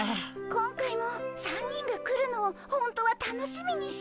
今回も３人が来るのをほんとは楽しみにしてて。